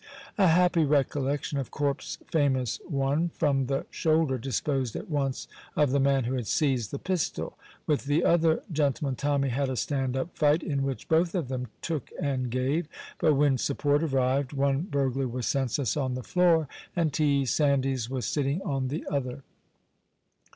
A happy recollection of Corp's famous one from the shoulder disposed at once of the man who had seized the pistol; with the other gentleman Tommy had a stand up fight in which both of them took and gave, but when support arrived, one burglar was senseless on the floor and T. Sandys was sitting on the other.